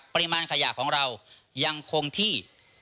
ปริมาณขยะของเรายังคงที่